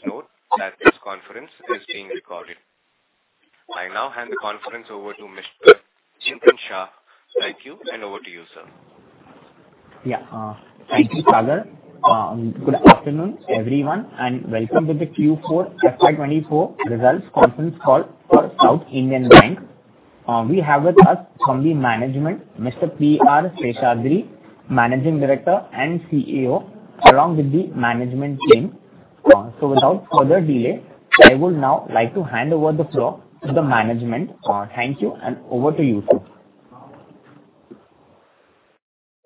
Please note that this conference is being recorded. I now hand the conference over to Mr. Chintan Shah. Thank you, and over to you, sir. Yeah, thank you, Sagar. Good afternoon, everyone, and welcome to the Q4 FY24 results conference call for South Indian Bank. We have with us from the management, Mr. P. R. Seshadri, Managing Director and CEO, along with the management team. Without further delay, I would now like to hand over the floor to the management. Thank you, and over to you, sir.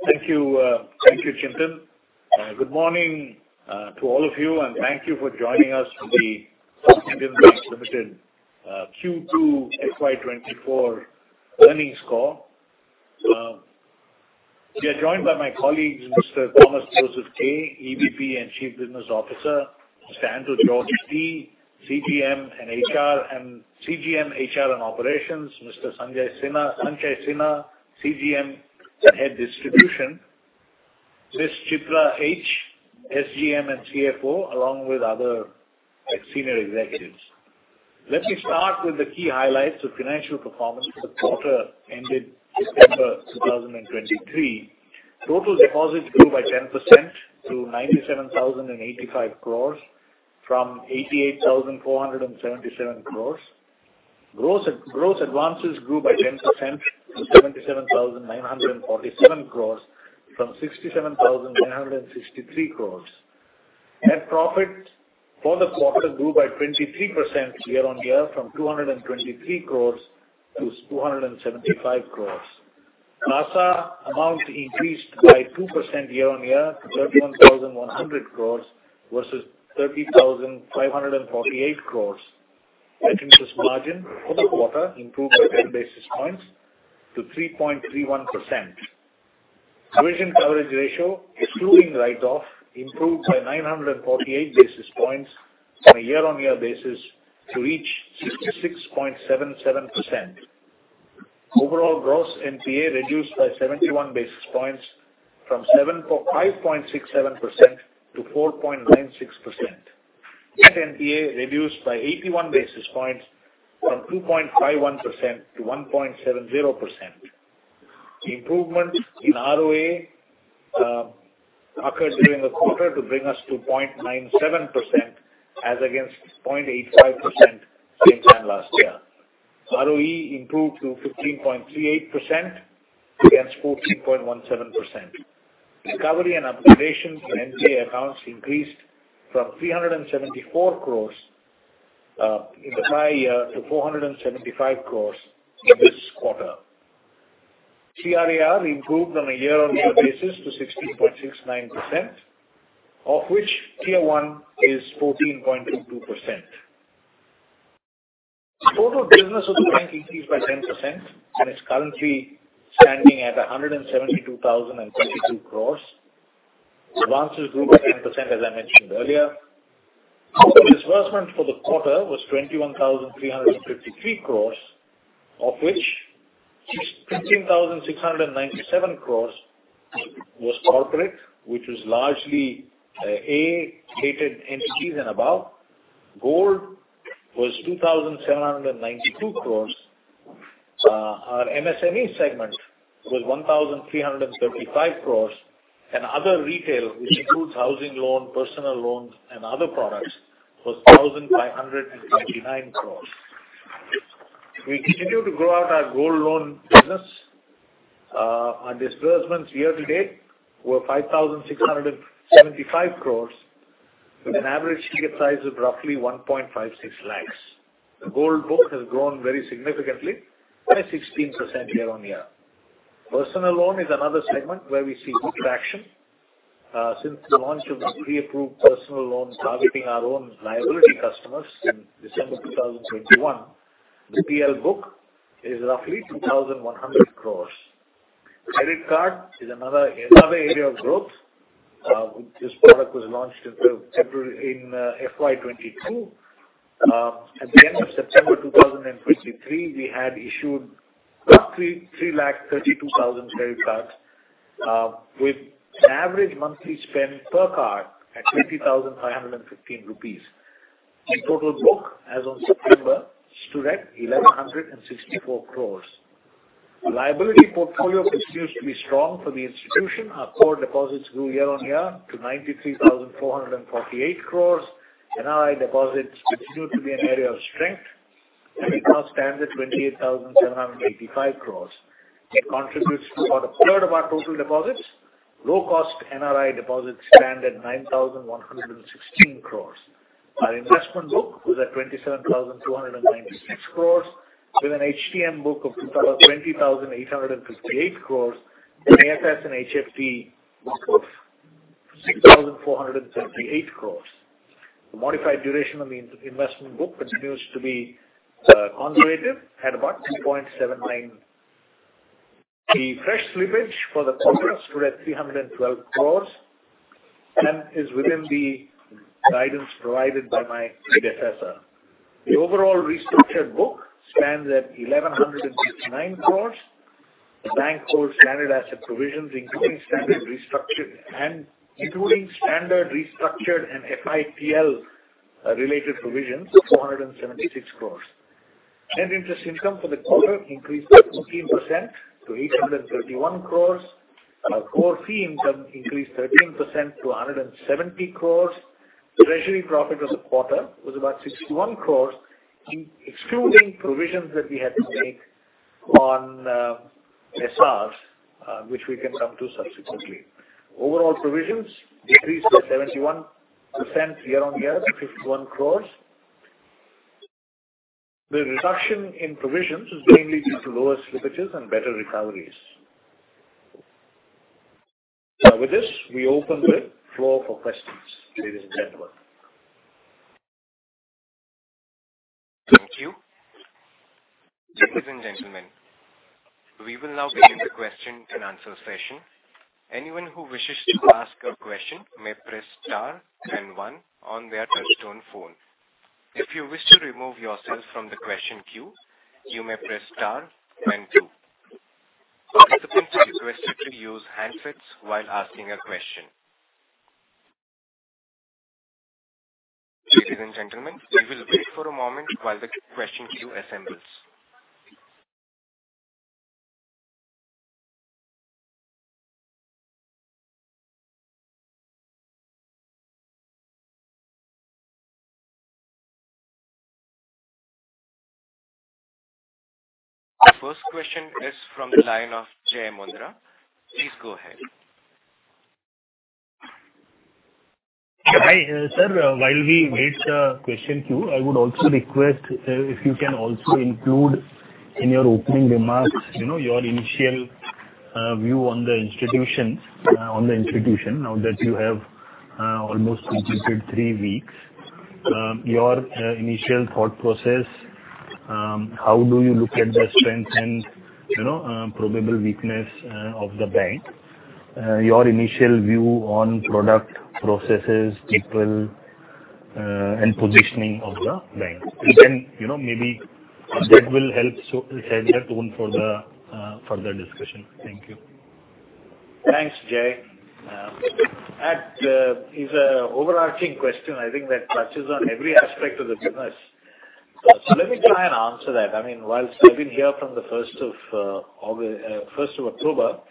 Thank you. Thank you, Chintan. Good morning to all of you, and thank you for joining us for the South Indian Bank Limited Q2 FY24 earnings call. We are joined by my colleagues, Mr. Thomas Joseph K, EVP and Chief Business Officer, Mr. Anto George T, CGM and HR and Operations, Mr. Sanchay Sinha, CGM and Head Distribution, Ms. Chitra H, SGM and CFO, along with other, like, senior executives. Let me start with the key highlights of financial performance for the quarter ending December 2023. Total deposits grew by 10% to 97,085 crore, from 88,477 crore. Gross advances grew by 10% to 77,947 crore from 67,963 crore. Net profit for the quarter grew by 23% year-on-year, from 223 crore to 275 crore. CASA amount increased by 2% year-on-year, to 31,100 crore versus 30,548 crore. Interest margin for the quarter improved by 10 basis points to 3.31%. Provision coverage ratio, excluding write-off, improved by 948 basis points on a year-on-year basis to reach 66.77%. Overall, gross NPA reduced by 71 basis points from 7.56% to 4.96%. Net NPA reduced by 81 basis points from 2.51% to 1.70%. Improvement in ROA occurred during the quarter to bring us to 0.97%, as against 0.85% same time last year. ROE improved to 15.38% against 14.17%. Recovery and applications for NPA accounts increased from 374 crore in the prior year to 475 crore this quarter. CRAR improved on a year-over-year basis to 16.69%, of which Tier 1 is 14.22%. Total business of the bank increased by 10% and is currently standing at 172,022 crore. Advances grew by 10%, as I mentioned earlier. Total disbursement for the quarter was 21,353 crore, of which 15,697 crore was corporate, which was largely A-rated entities and above. Gold was 2,792 crore. Our MSME segment was 1,335 crore, and other retail, which includes housing loans, personal loans, and other products, was 1,599 crore. We continue to grow out our gold loan business. Our disbursements year to date were 5,675 crore, with an average ticket size of roughly 1.56 lakh. The gold book has grown very significantly, by 16% year-on-year. Personal loan is another segment where we see good traction. Since the launch of the pre-approved personal loan, targeting our own liability customers in December 2021, the PL book is roughly 2,100 crore. Credit card is another area of growth. This product was launched in April in FY 2022. At the end of September 2023, we had issued roughly 332,000 credit cards, with an average monthly spend per card at 25,015 rupees. The total book, as on September, stood at 1,164 crore. Liability portfolio continues to be strong for the institution. Our core deposits grew year-on-year to 93,448 crore. NRI deposits continue to be an area of strength and it now stands at 28,785 crore. It contributes to about a third of our total deposits. Low-cost NRI deposits stand at 9,116 crore. Our investment book was at 27,296 crore, with an HTM book of 20,858 crore, and AFS and HFT book of 6,478 crore. The modified duration on the investment book continues to be conservative, at about 2.79. The fresh slippage for the quarter stood at 312 crore, and is within the guidance provided by my predecessor. The overall restructured book stands at 1,169 crore. The bank holds standard asset provisions, including standard restructured and FITL related provisions, 476 crore. Net interest income for the quarter increased 13% to 831 crore. Our core fee income increased 13% to 170 crore. Treasury profit for the quarter was about 61 crore, excluding provisions that we had to make on SRs, which we can come to subsequently. Overall provisions decreased by 71% year-on-year to INR 51 crore. The reduction in provisions is mainly due to lower slippages and better recoveries. So with this, we open the floor for questions, ladies and gentlemen. Thank you. Ladies and gentlemen, we will now begin the question and answer session. Anyone who wishes to ask a question may press star and one on their touchtone phone. If you wish to remove yourself from the question queue, you may press star and two. Participants are requested to use handsets while asking a question. Ladies and gentlemen, we will wait for a moment while the question queue assembles. The first question is from the line of Jai Mundhra. Please go ahead. Hi, sir. While we wait the question queue, I would also request, if you can also include in your opening remarks, you know, your initial, view on the institutions, on the institution, now that you have, almost completed three weeks. Your, initial thought process, how do you look at the strength and, you know, probable weakness, of the bank? Your initial view on product, processes, people, and positioning of the bank. And then, you know, maybe that will help so- set the tone for the, further discussion. Thank you. Thanks, Jai. That is a overarching question I think that touches on every aspect of the business. So let me try and answer that. I mean, while I've been here from the October 1st,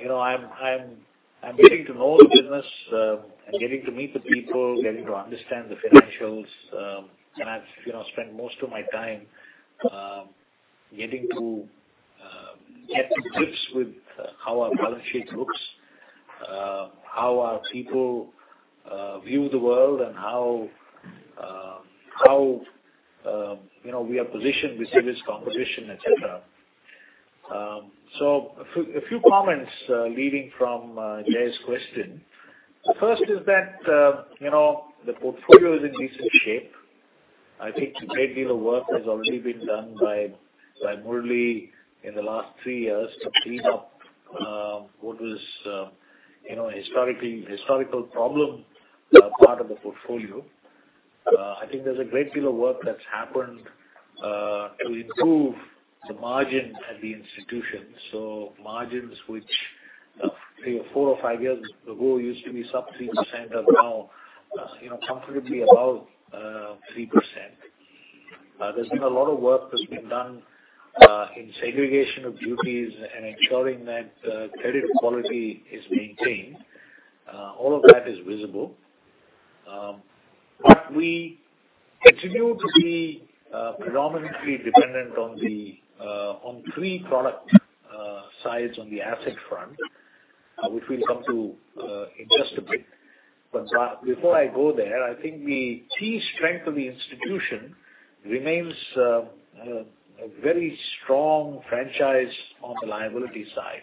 you know, I'm getting to know the business and getting to meet the people, getting to understand the financials. And I've, you know, spent most of my time getting to get to grips with how our balance sheet looks, how our people view the world and how you know, we are positioned with service composition, et cetera. So a few comments leading from Jai's question. The first is that you know, the portfolio is in decent shape. I think a great deal of work has already been done by Murali in the last three years to clean up what was, you know, historical problem part of the portfolio. I think there's a great deal of work that's happened to improve the margin at the institution. So margins, which three or four or five years ago used to be sub-3%, are now, you know, comfortably above 3%. There's been a lot of work that's been done in segregation of duties and ensuring that credit quality is maintained. All of that is visible. But we continue to be predominantly dependent on the on three product sides on the asset front, which we'll come to in just a bit. But, before I go there, I think the key strength of the institution remains, a very strong franchise on the liability side,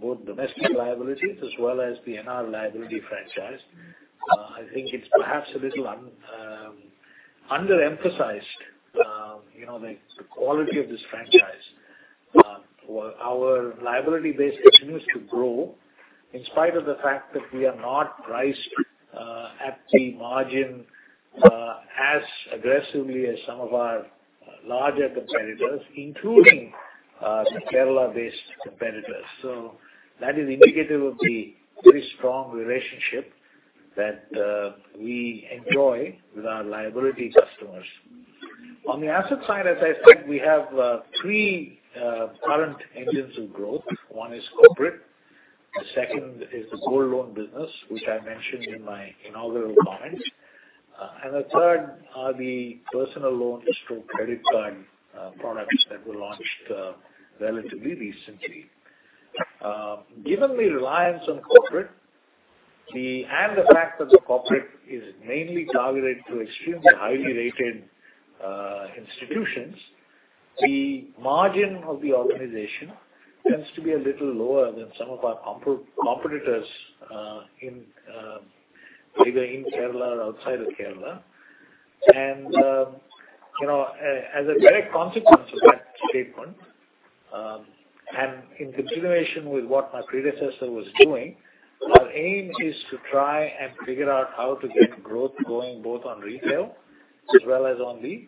both domestic liabilities as well as the NR liability franchise. I think it's perhaps a little underemphasized, you know, the quality of this franchise. Our liability base continues to grow in spite of the fact that we are not priced, at the margin, as aggressively as some of our larger competitors, including Kerala-based competitors. So that is indicative of the very strong relationship that we enjoy with our liability customers. On the asset side, as I said, we have three current engines of growth. One is corporate, the second is the gold loan business, which I mentioned in my inaugural comments. And the third are the personal loans through credit card products that were launched relatively recently. Given the reliance on corporate and the fact that the corporate is mainly targeted to extremely highly rated institutions, the margin of the organization tends to be a little lower than some of our competitors in either in Kerala or outside of Kerala. And you know, as a direct consequence of that statement and in continuation with what my predecessor was doing, our aim is to try and figure out how to get growth going both on retail as well as on the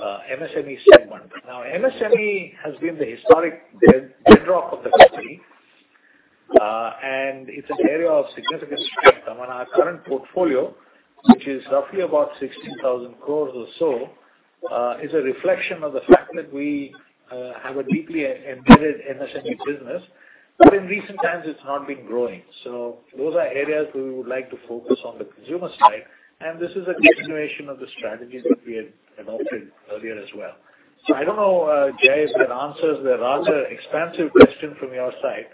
MSME segment. Now, MSME has been the historic bedrock of the company, and it's an area of significant strength. I mean, our current portfolio, which is roughly about 16,000 crore or so, is a reflection of the fact that we have a deeply embedded MSME business, but in recent times it's not been growing. So those are areas we would like to focus on the consumer side, and this is a continuation of the strategy that we had adopted earlier as well. So I don't know, Jai, if that answers the rather expansive question from your side,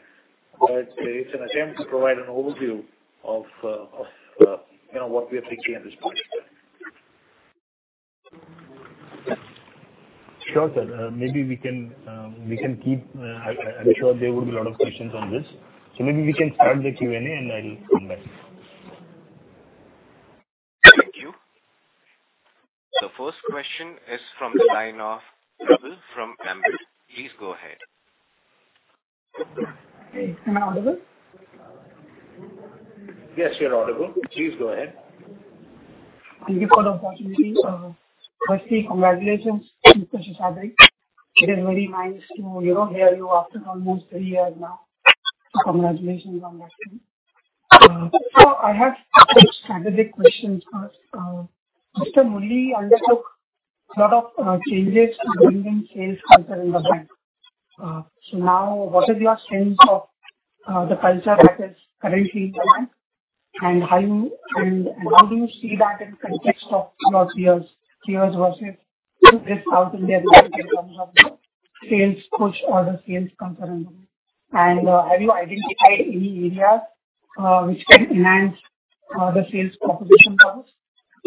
but it's an attempt to provide an overview of, of you know, what we are thinking at this point. Sure, sir. Maybe we can, we can keep... I'm sure there will be a lot of questions on this. So maybe we can start the Q&A, and I will come back. Thank you. The first question is from the line of Rahul from Ambit. Please go ahead. Hey, am I audible? Yes, you're audible. Please go ahead. Thank you for the opportunity, sir. Firstly, congratulations, Mr. Seshadri. It is very nice to, you know, hear you after almost three years now. So congratulations on that. So I have two strategic questions. Mr. Murali undertook a lot of changes to bring in sales culture in the bank. So now what is your sense of the culture that is currently in the bank? And how you, and how do you see that in context of your years, three years versus this out in terms of the sales push or the sales culture? And have you identified any areas which can enhance the sales proposition for us?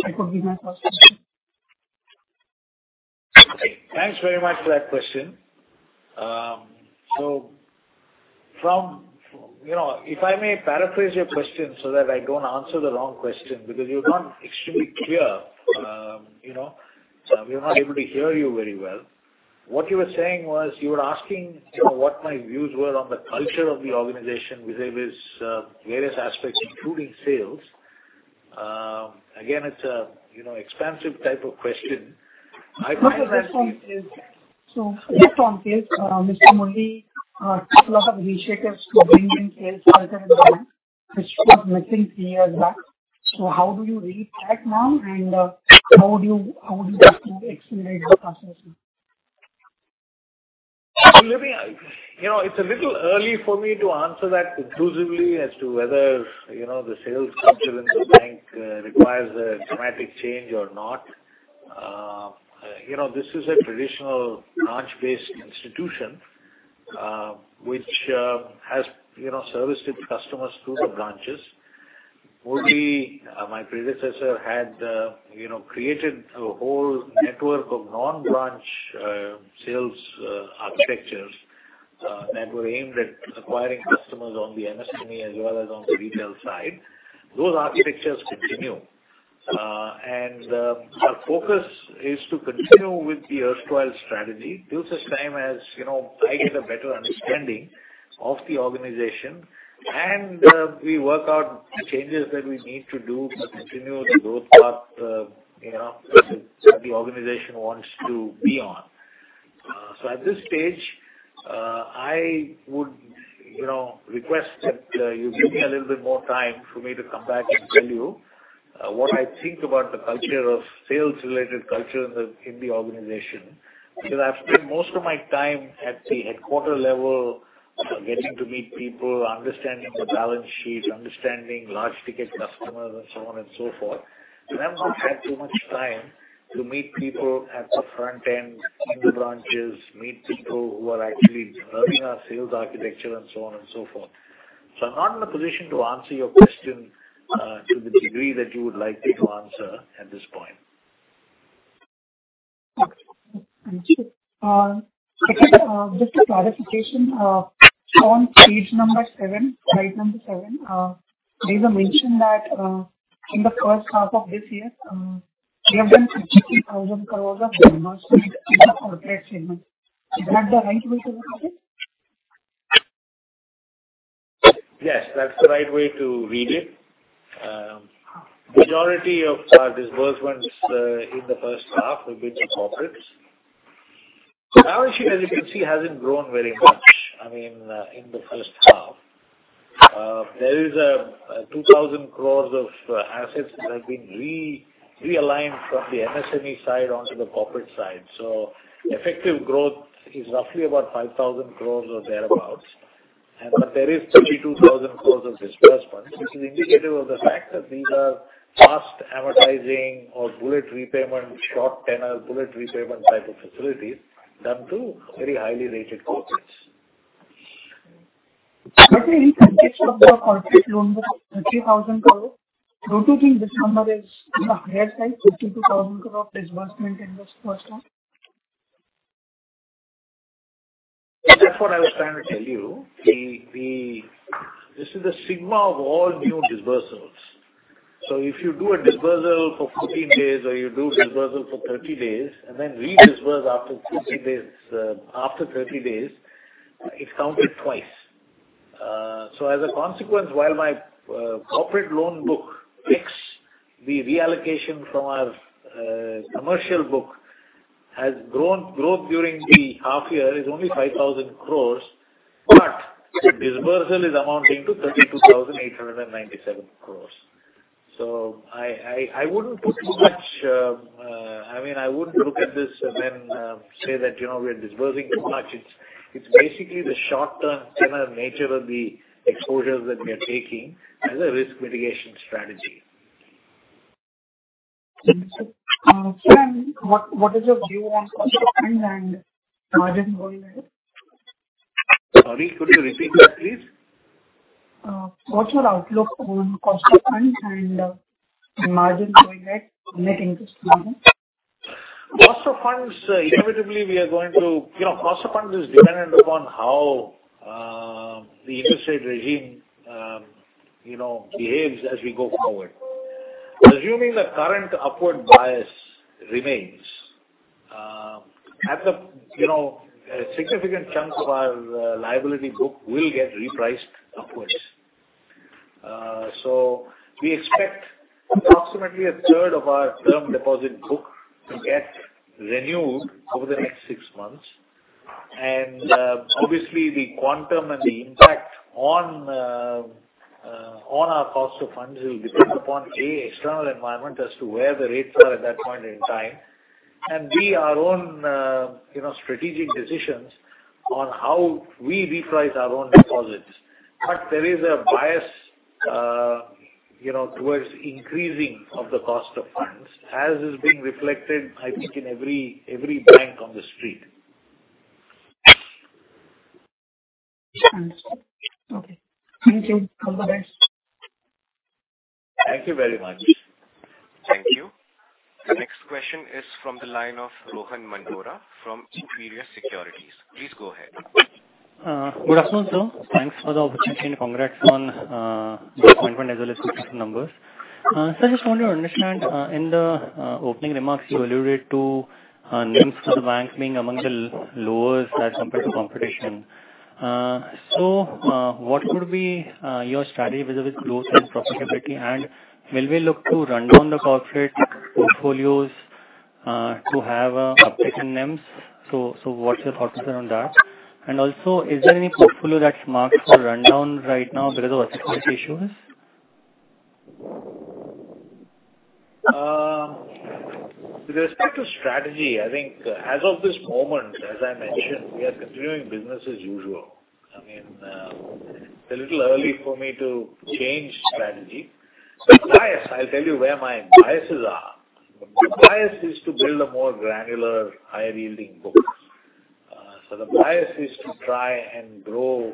That would be my first question. Thanks very much for that question. So from, you know, if I may paraphrase your question so that I don't answer the wrong question, because you're not extremely clear, you know? So we're not able to hear you very well. What you were saying was, you were asking, you know, what my views were on the culture of the organization with various, various aspects, including sales. Again, it's a, you know, expansive type of question. I find that- So just on sales, Mr. Murali took a lot of initiatives to bring in sales culture in the bank, which was missing three years back. So how do you read that now, and how would you, how would you like to accelerate the process? Let me... You know, it's a little early for me to answer that conclusively as to whether, you know, the sales culture in the bank requires a dramatic change or not. You know, this is a traditional branch-based institution, which has, you know, serviced its customers through the branches. Murali, my predecessor, had, you know, created a whole network of non-branch sales architectures that were aimed at acquiring customers on the MSME as well as on the retail side. Those architectures continue. And, our focus is to continue with the erstwhile strategy till such time as, you know, I get a better understanding of the organization, and we work out changes that we need to do to continue the growth path, you know, that the organization wants to be on. So at this stage, I would, you know, request that you give me a little bit more time for me to come back and tell you what I think about the culture of sales-related culture in the organization. Because I've spent most of my time at the headquarters level, getting to meet people, understanding the balance sheet, understanding large-ticket customers, and so on and so forth. So I've not had too much time to meet people at the front end, in the branches, meet people who are actually driving our sales architecture, and so on and so forth. So I'm not in a position to answer your question to the degree that you would like me to answer at this point. Thank you. Just a clarification, on page 7, slide 7, there's a mention that, in the first half of this year, you have done INR 60,000 crore of disbursements in the corporate segment. Is that the right way to look at it? Yes, that's the right way to read it. Majority of our disbursements in the first half have been to corporates. So balance sheet, as you can see, hasn't grown very much, I mean, in the first half. There is a 2,000 crore of assets that have been realigned from the MSME side onto the corporate side. So effective growth is roughly about 5,000 crore or thereabout. And but there is 32,000 crore of disbursement, which is indicative of the fact that these are fast amortizing or bullet repayment, short-tenor bullet repayment type of facilities done to very highly rated corporates. But in context of the corporate loan, the 30,000 crore, don't you think this number is on the higher side, 52,000 crore disbursement in this first half? That's what I was trying to tell you. This is the sum of all new disbursements. So if you do a disbursal for 14 days or you do disbursal for 30 days and then redisburse after 15 days, after 30 days, it's counted twice. So as a consequence, while my corporate loan book post the reallocation from our commercial book has grown, growth during the half year is only 5,000 crore, but the disbursal is amounting to 32,897 crore. So I wouldn't put too much, I mean, I wouldn't look at this and then say that, you know, we're disbursing too much. It's basically the short-term general nature of the exposures that we are taking as a risk mitigation strategy. Sir, what is your view on cost of funds and margin going there? Sorry, could you repeat that, please? What's your outlook on cost of funds and margin going at Net Interest Margin? Cost of funds, inevitably, we are going to. You know, cost of funds is dependent upon how, the interest rate regime, you know, behaves as we go forward. Assuming the current upward bias remains, at the, you know, a significant chunk of our, liability book will get repriced upwards. So we expect approximately a third of our term deposit book to get renewed over the next six months. And, obviously, the quantum and the impact on, on our cost of funds will depend upon, A, external environment as to where the rates are at that point in time, and, B, our own, you know, strategic decisions on how we reprice our own deposits. But there is a bias, you know, towards increasing of the cost of funds, as is being reflected, I think, in every, every bank on the street. Thanks. Okay. Thank you. All the best. Thank you very much. Thank you. The next question is from the line of Rohan Mandora from Equirus Securities. Please go ahead. Good afternoon, sir. Thanks for the opportunity and congrats on the appointment as well as the numbers. Sir, I just want to understand, in the opening remarks, you alluded to NIMs for the bank being among the lowest as compared to competition. So, what would be your strategy with growth and profitability? And will we look to run down the corporate portfolios to have an update in NIMs? So, what's your thoughts around that? And also, is there any portfolio that's marked for rundown right now because of risk issues? With respect to strategy, I think as of this moment, as I mentioned, we are continuing business as usual. I mean, it's a little early for me to change strategy. The bias, I'll tell you where my biases are. The bias is to build a more granular, higher-yielding book. So the bias is to try and grow,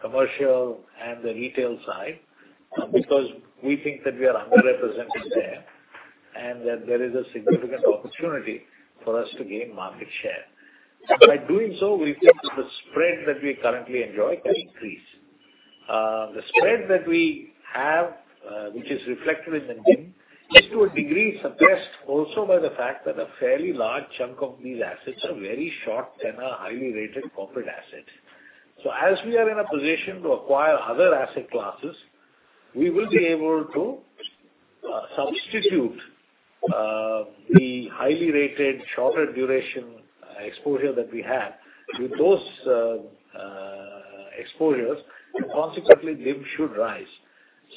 commercial and the retail side, because we think that we are underrepresented there, and that there is a significant opportunity for us to gain market share. By doing so, we think the spread that we currently enjoy can increase. The spread that we have, which is reflected in the NIM, is to a degree, suggest also by the fact that a fairly large chunk of these assets are very short-term, highly rated corporate assets. So as we are in a position to acquire other asset classes, we will be able to substitute the highly rated, shorter duration exposure that we have. With those exposures, consequently, NIM should rise.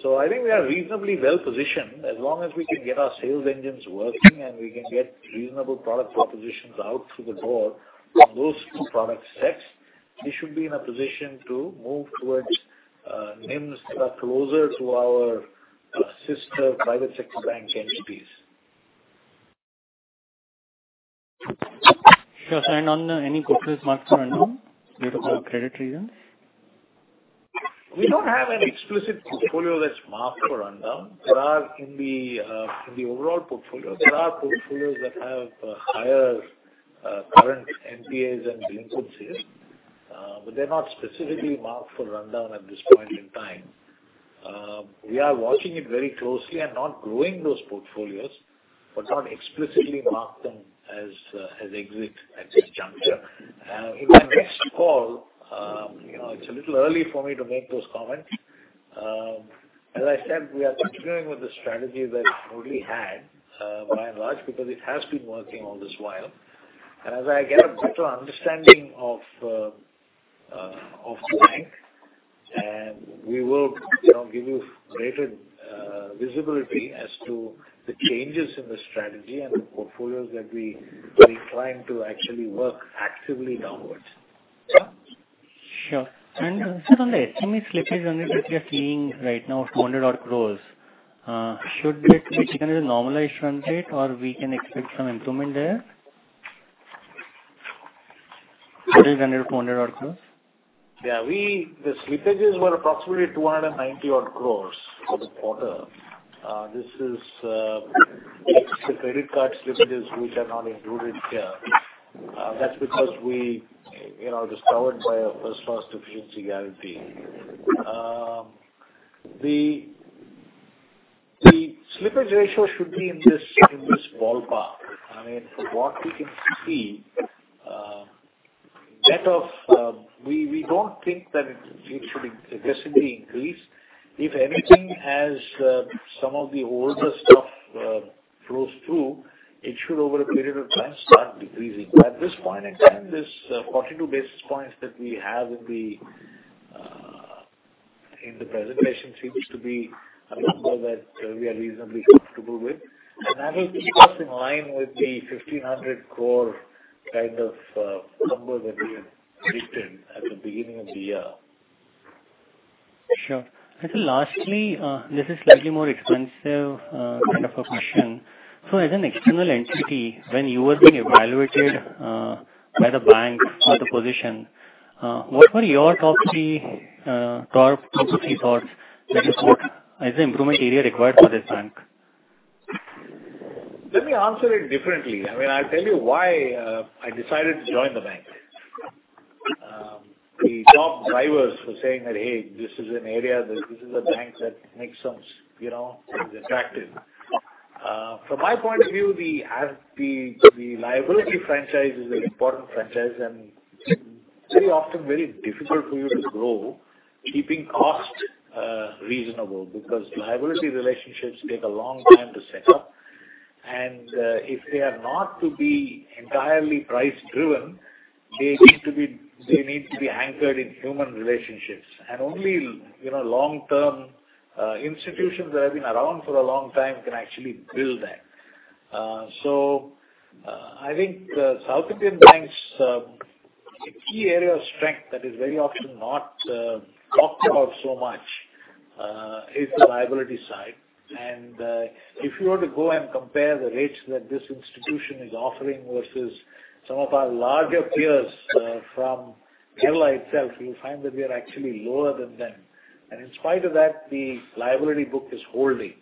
So I think we are reasonably well-positioned. As long as we can get our sales engines working and we can get reasonable product propositions out through the door on those two product sets, we should be in a position to move towards NIMs that are closer to our sister private sector bank entities. Sure. And on any portfolios marked for rundown due to credit reasons? We don't have any explicit portfolio that's marked for rundown. There are, in the overall portfolio, there are portfolios that have higher current NPAs and delinquencies, but they're not specifically marked for rundown at this point in time. We are watching it very closely and not growing those portfolios, but not explicitly mark them as exit at this juncture. In my next call, you know, it's a little early for me to make those comments. As I said, we are continuing with the strategy that we already had, by and large, because it has been working all this while. As I get a better understanding of the bank, and we will, you know, give you greater visibility as to the changes in the strategy and the portfolios that we're trying to actually work actively downwards. Sure. And, sir, on the estimate slippages on it that we are seeing right now, 400-odd crore, should it reach any normalized run rate, or we can expect some improvement there? 300-400-odd crore. Yeah, we, the slippages were approximately 290 crore for the quarter. This is extra credit card slippages which are not included here. That's because we, you know, just covered by our first loss default guarantee. The slippage ratio should be in this ballpark. I mean, what we can see, that of, we, we don't think that it should aggressively increase. If anything, as some of the older stuff flows through, it should over a period of time start decreasing. At this point in time, this 42 basis points that we have in the presentation seems to be a number that we are reasonably comfortable with. And that is also in line with the 1,500 crore kind of number that we had written at the beginning of the year. Sure. And so lastly, this is slightly more expensive, kind of a question. So as an external entity, when you were being evaluated, by the bank or the position, what were your top three thoughts as to what is the improvement area required for this bank? Let me answer it differently. I mean, I'll tell you why I decided to join the bank. The top drivers were saying that, "Hey, this is an area, this is a bank that makes sense, you know, it's attractive." From my point of view, the liability franchise is an important franchise, and very often very difficult for you to grow, keeping costs reasonable, because liability relationships take a long time to set up. And if they are not to be entirely price-driven, they need to be anchored in human relationships. And only, you know, long-term institutions that have been around for a long time can actually build that. So, I think the South Indian Bank, a key area of strength that is very often not talked about so much, is the liability side. And if you were to go and compare the rates that this institution is offering versus some of our larger peers from Kerala itself, you'll find that we are actually lower than them. And in spite of that, the liability book is holding.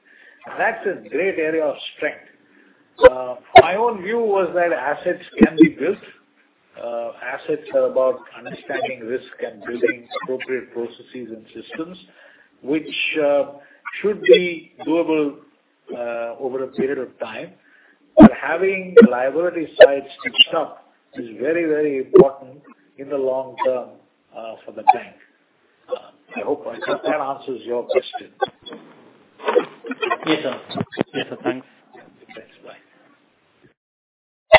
And that's a great area of strength. My own view was that assets can be built. Assets are about understanding risk and building appropriate processes and systems, which should be doable over a period of time. But having the liability side stitched up is very, very important in the long term for the bank. I hope that answers your question. Yes, sir. Yes, sir. Thanks. Thanks. Bye.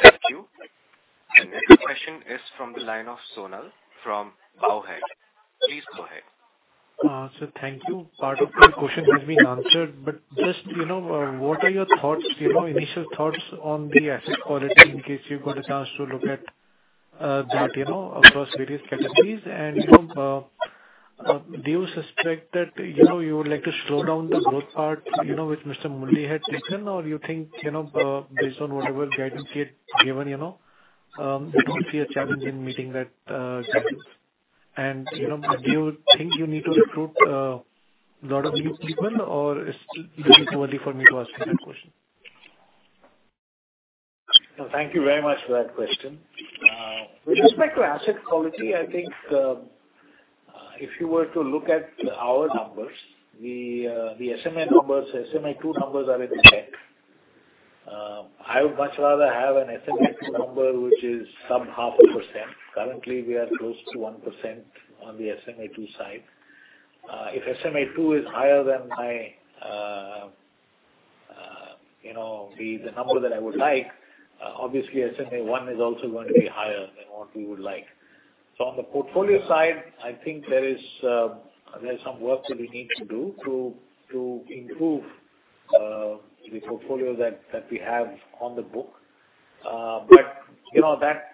Thank you. The next question is from the line of Kunal, from Bowhead. Please go ahead. So thank you. Part of the question has been answered, but just, you know, what are your thoughts, you know, initial thoughts on the asset quality, in case you got a chance to look at that, you know, across various categories? And, you know, do you suspect that, you know, you would like to slow down the growth part, you know, which Mr. Mundhra had taken, or you think, you know, based on whatever guidance you had given, you know, you don't see a challenge in meeting that guidance? And, you know, do you think you need to recruit a lot of new people, or is this too early for me to ask you that question? Thank you very much for that question. With respect to asset quality, I think, if you were to look at our numbers, the SMA numbers, SMA two numbers are in check. I would much rather have an SMA two number, which is sub 0.5%. Currently, we are close to 1% on the SMA two side. If SMA two is higher than my, you know, the number that I would like, obviously, SMA one is also going to be higher than what we would like. So on the portfolio side, I think there is some work that we need to do to improve the portfolio that we have on the book. But you know, that,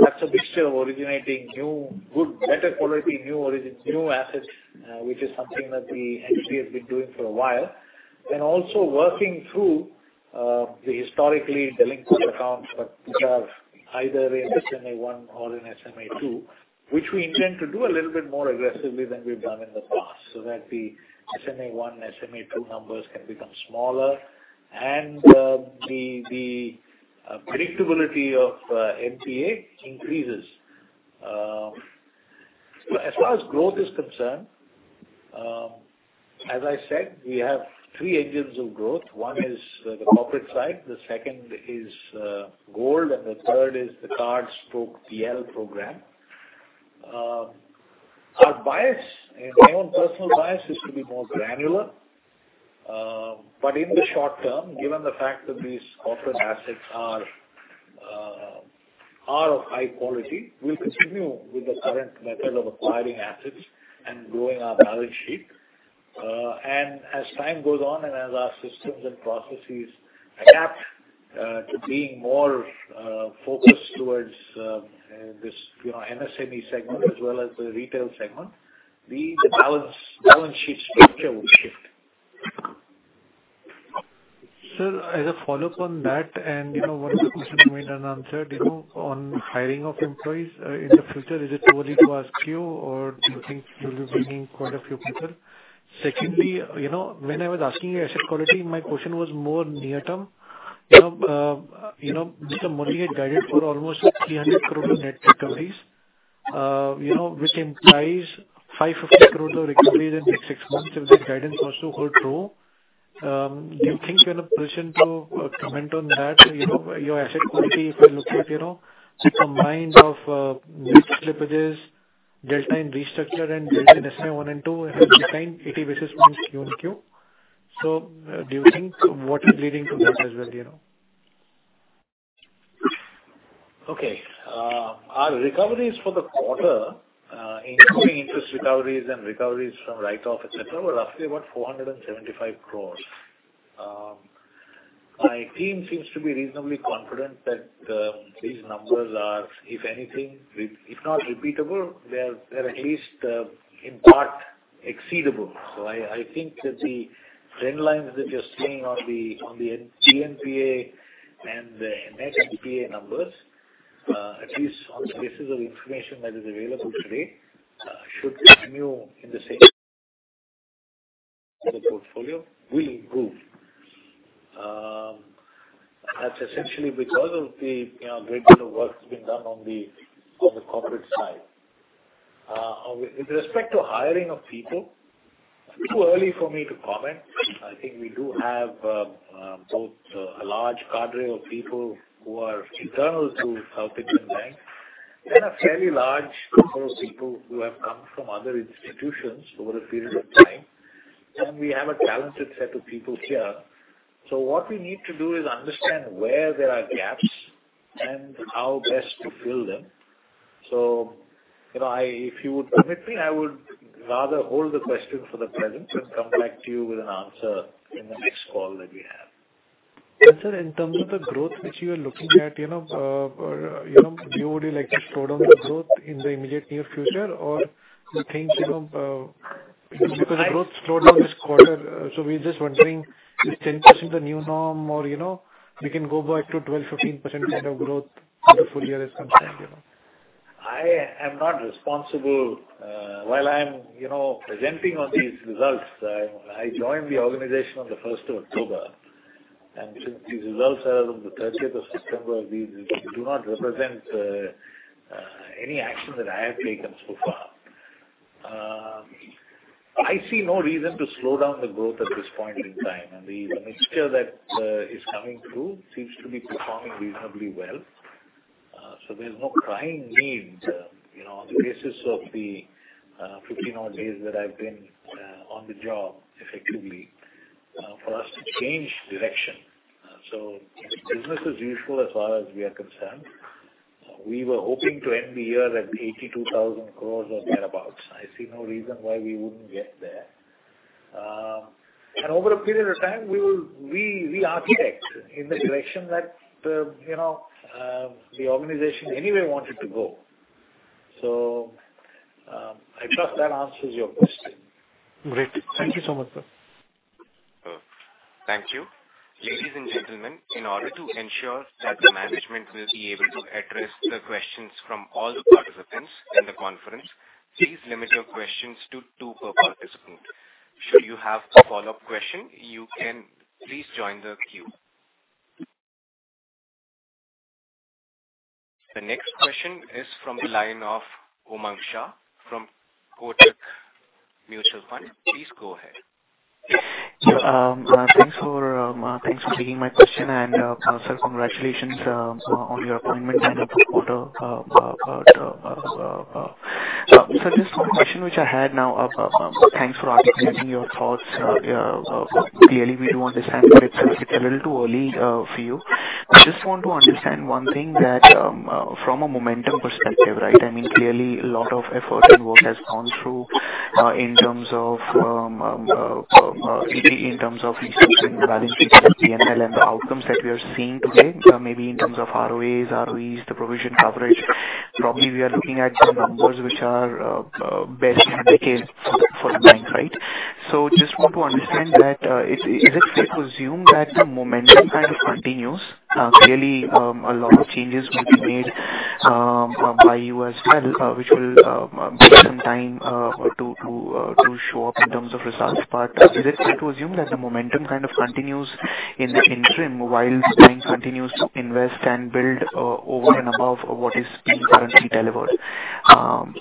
that's a mixture of originating new, good, better quality, new origins, new assets, which is something that the HDB has been doing for a while. Then also working through the historically delinquent accounts, but which are either in SMA one or in SMA two, which we intend to do a little bit more aggressively than we've done in the past, so that the SMA one, SMA two numbers can become smaller, and the predictability of NPA increases. As far as growth is concerned, as I said, we have three engines of growth. One is the corporate side, the second is gold, and the third is the card stroke PL program. Our bias, and my own personal bias, is to be more granular. But in the short term, given the fact that these corporate assets are of high quality, we'll continue with the current method of acquiring assets and growing our balance sheet. And as time goes on and as our systems and processes adapt to being more focused towards this, you know, MSME segment as well as the retail segment, the balance sheet structure will shift. Sir, as a follow-up on that, and, you know, one of the questions remained unanswered, you know, on hiring of employees, in the future, is it too early to ask you, or do you think you'll be bringing quite a few people? Secondly, you know, when I was asking you asset quality, my question was more near term. You know, you know, Mr. Murali, had guided for almost 300 crore net recoveries. You know, which implies 550 crore of recoveries in the next six months, if the guidance also hold true. Do you think you're in a position to, comment on that? You know, your asset quality, if I look at, you know, the combined of, net slippages, delta in restructure and delta in SMA-1 and SMA-2 have declined 80 basis points Q on Q. Do you think what is leading to that as well, you know? Okay. Our recoveries for the quarter, including interest recoveries and recoveries from write-off, et cetera, were roughly about 475 crore. My team seems to be reasonably confident that, these numbers are, if anything, if, if not repeatable, they are, they're at least, in part exceedable. So I, I think that the trend lines that you're seeing on the, on the GNPA and the net NPA numbers, at least on the basis of information that is available today, should continue in the same portfolio will improve. That's essentially because of the, you know, great deal of work that's been done on the, on the corporate side. With respect to hiring of people, too early for me to comment. I think we do have both a large cadre of people who are internal to South Indian Bank and a fairly large pool of people who have come from other institutions over a period of time, and we have a talented set of people here. So what we need to do is understand where there are gaps and how best to fill them. So, you know, if you would permit me, I would rather hold the question for the present and come back to you with an answer in the next call that we have. Sir, in terms of the growth which you are looking at, you know, you know, do you really like to slow down the growth in the immediate near future or you think, you know, because the growth slowed down this quarter, so we're just wondering, is 10% the new norm or, you know, we can go back to 12%-15% kind of growth where the full year is concerned, you know? I am not responsible. While I am, you know, presenting on these results, I joined the organization on the October 1st, and since these results are of the September 30th, these do not represent any action that I have taken so far. I see no reason to slow down the growth at this point in time, and the mixture that is coming through seems to be performing reasonably well. So there's no crying need, you know, on the basis of the 15 odd days that I've been on the job effectively, for us to change direction. So business as usual as far as we are concerned. We were hoping to end the year at 82,000 crore or thereabouts. I see no reason why we wouldn't get there. Over a period of time, we will architect in the direction that you know the organization anyway wanted to go. So, I trust that answers your question. Great. Thank you so much, sir. Thank you. Ladies and gentlemen, in order to ensure that the management will be able to address the questions from all the participants in the conference, please limit your questions to two per participant. Should you have a follow-up question, you can please join the queue. The next question is from the line of Umang Shah from Kotak Mutual Fund. Please go ahead. Yeah, thanks for taking my question. Sir, congratulations on your appointment and the quarter. Sir, just one question which I had now. Thanks for articulating your thoughts. Clearly, we do understand that it's a little too early for you. I just want to understand one thing that from a momentum perspective, right? I mean, clearly, a lot of effort and work has gone through in terms of research and value, PNL, and the outcomes that we are seeing today, maybe in terms of ROEs, ROEs, the provision coverage. Probably we are looking at some numbers which are best in a decade for the bank, right? So just want to understand that, is it safe to assume that the momentum kind of continues? Clearly, a lot of changes will be made, by you as well, which will take some time to show up in terms of results. But is it safe to assume that the momentum kind of continues in the interim, while the bank continues to invest and build, over and above what is being currently delivered?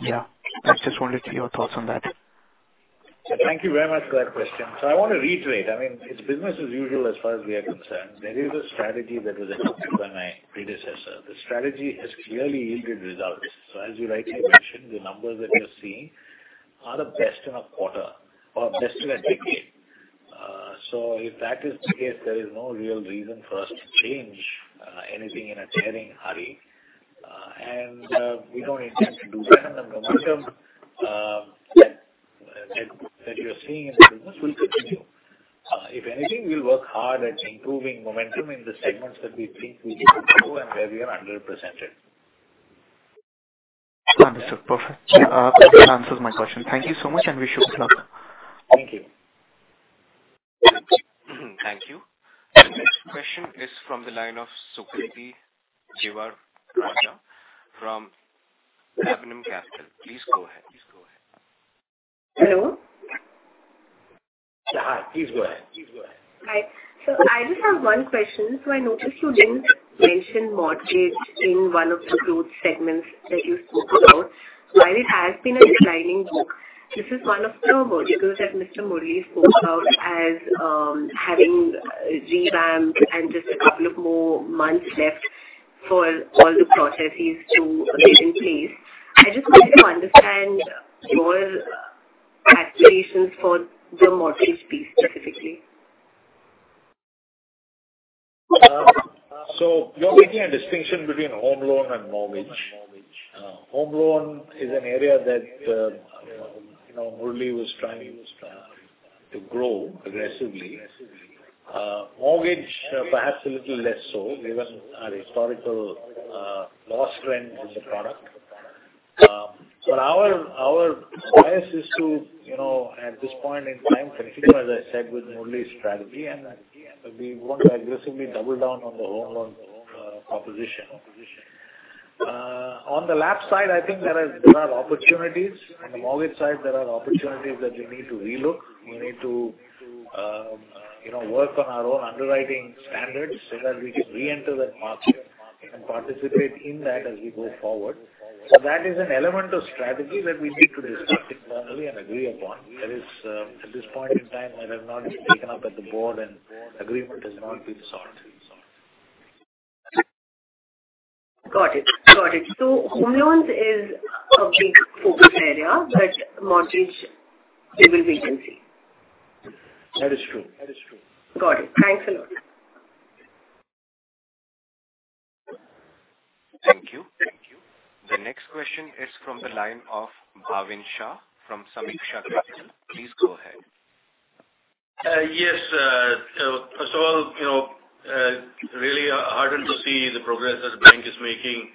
Yeah, I just wanted to hear your thoughts on that. Thank you very much for that question. So I want to reiterate, I mean, it's business as usual as far as we are concerned. There is a strategy that was instituted by my predecessor. The strategy has clearly yielded results. So as you rightly mentioned, the numbers that you're seeing are the best in a quarter or best in a decade. So if that is the case, there is no real reason for us to change anything in a tearing hurry, and we don't intend to do that. And the momentum that you're seeing in the business will continue. If anything, we'll work hard at improving momentum in the segments that we think we should grow and where we are underrepresented. Understood. Perfect. That answers my question. Thank you so much, and wish you good luck. Thank you. Thank you. The next question is from the line of Sukriti Jiwarajka from Laburnum Capital. Please go ahead. Yeah, hi, please go ahead. Please go ahead. Hi. So I just have one question. So I noticed you didn't mention mortgage in one of the growth segments that you spoke about. While it has been a declining book, this is one of the verticals that Mr. Murali spoke about as having revamped and just a couple of more months left for all the processes to be in place. I just want to understand your aspirations for the mortgage piece, specifically. So you're making a distinction between home loan and mortgage. Home loan is an area that, you know, Murali was trying to grow aggressively. Mortgage, perhaps a little less so, given our historical, loss trend in the product. But our, our bias is to, you know, at this point in time, continue, as I said, with Murali's strategy, and we want to aggressively double down on the home loan, proposition. On the LAP side, I think there are, there are opportunities. On the mortgage side, there are opportunities that we need to relook. We need to, you know, work on our own underwriting standards so that we can reenter that market and participate in that as we go forward. So that is an element of strategy that we need to discuss internally and agree upon. That is, at this point in time, that has not been taken up at the board and agreement has not been sought. Got it. Got it. So home loans is a big focus area, but mortgage, there will be agency. That is true. Got it. Thanks a lot. Thank you. The next question is from the line of Bhavin Shah from Sameeksha Capital. Please go ahead. Yes, so first of all, you know, really heartened to see the progress that the bank is making.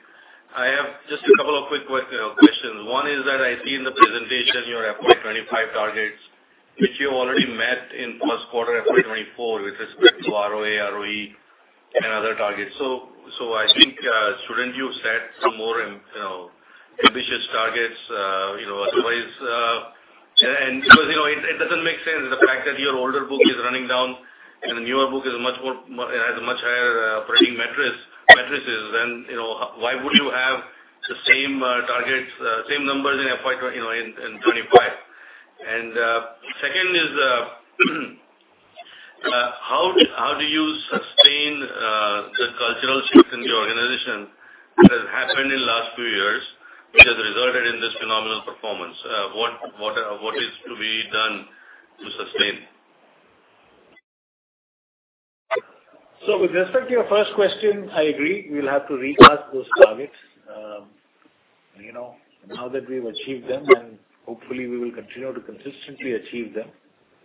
I have just a couple of quick questions. One is that I see in the presentation, your FY 2025 targets, which you already met in Q1 FY 2024 with respect to ROA, ROE, and other targets. So, I think, shouldn't you set some more, you know, ambitious targets? You know, otherwise... And, because, you know, it doesn't make sense the fact that your older book is running down and the newer book is much more, has a much higher operating metrics, matrices than, you know, why would you have the same targets, same numbers in FY, you know, in 2025? Second is, how do you sustain the cultural shift in the organization that has happened in the last few years, which has resulted in this phenomenal performance? What is to be done to sustain? So with respect to your first question, I agree, we will have to recast those targets. You know, now that we've achieved them, and hopefully we will continue to consistently achieve them,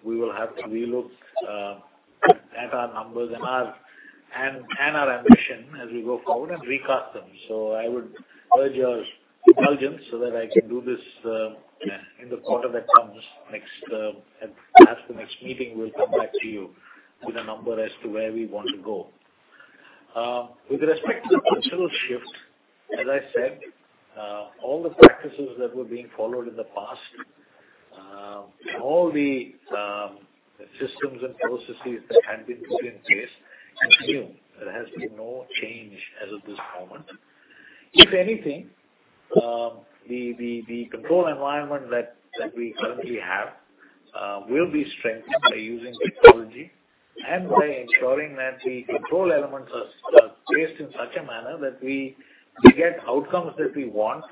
we will have to relook at our numbers and our ambition as we go forward and recast them. So I would urge your indulgence so that I can do this in the quarter that comes next, at perhaps the next meeting, we'll come back to you with a number as to where we want to go. With respect to the cultural shift, as I said, all the practices that were being followed in the past, all the systems and processes that had been put in place continue. There has been no change as of this moment. If anything, the control environment that we currently have will be strengthened by using technology and by ensuring that the control elements are placed in such a manner that we get outcomes that we want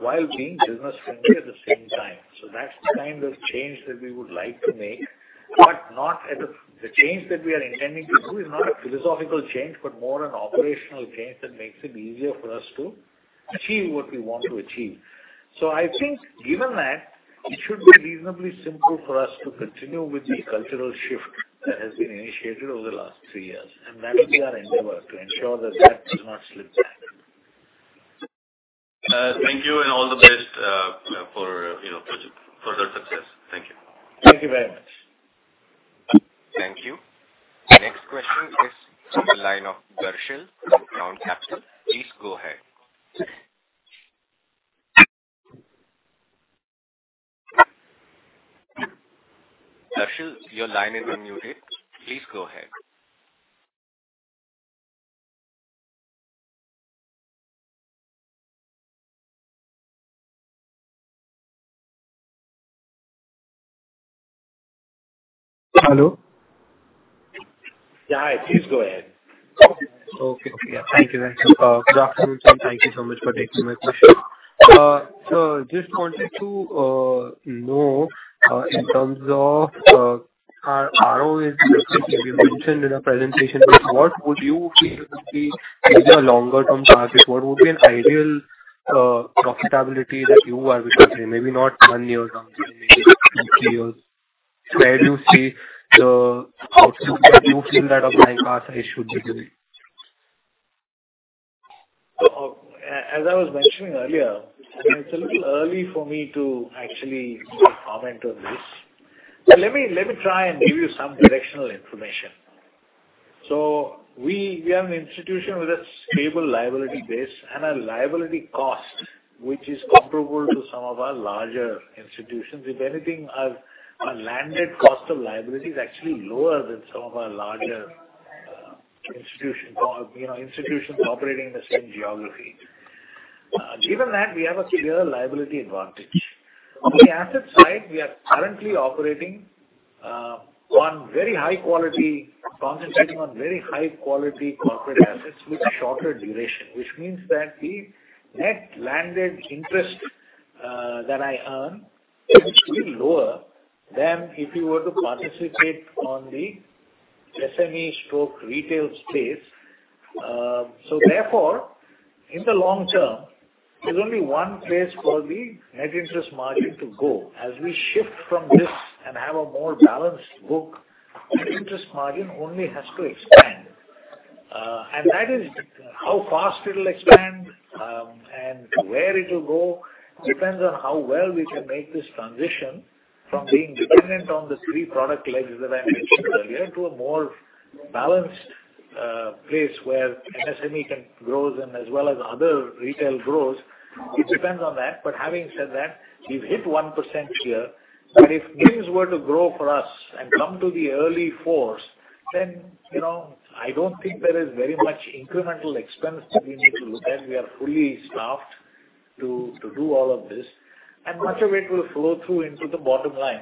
while being business-friendly at the same time. So that's the kind of change that we would like to make, but not at the... The change that we are intending to do is not a philosophical change, but more an operational change that makes it easier for us to achieve what we want to achieve. So I think given that, it should be reasonably simple for us to continue with the cultural shift that has been initiated over the last three years, and that will be our endeavor to ensure that that does not slip back. Thank you and all the best, for, you know, future, further success. Thank you. Thank you very much. Thank you. Next question is from the line of Darshil from Crown Capital. Please go ahead. Darshil, your line is on mute. Please go ahead. Hello? Yeah, hi. Please go ahead. Okay. Thank you. Good afternoon, sir. Thank you so much for taking my question. So just wanted to know in terms of our ROE, you mentioned in a presentation, but what would you feel would be maybe a longer-term target? What would be an ideal profitability that you are looking at? Maybe not one year, maybe two, three years. Where do you see the outlook that you feel that of Bank Bazaar should be doing? So, as I was mentioning earlier, I mean, it's a little early for me to actually comment on this. Let me, let me try and give you some directional information. So we, we are an institution with a stable liability base and a liability cost, which is comparable to some of our larger institutions. If anything, our, our landed cost of liability is actually lower than some of our larger institutions, or, you know, institutions operating in the same geography. Given that, we have a clear liability advantage. On the asset side, we are currently operating on very high quality, concentrating on very high quality corporate assets with shorter duration, which means that the net landed interest that I earn is much lower than if you were to participate on the SME stroke retail space. So therefore, in the long term, there's only one place for the net interest margin to go. As we shift from this and have a more balanced book, net interest margin only has to expand. And that is how fast it'll expand, and where it will go, depends on how well we can make this transition from being dependent on the three product legs that I mentioned earlier, to a more balanced, place where MSME can grow as well as other retail grows. It depends on that. But having said that, we've hit 1% here, and if things were to grow for us and come to the early 4s, then, you know, I don't think there is very much incremental expense that we need to look at. We are fully staffed to do all of this, and much of it will flow through into the bottom line.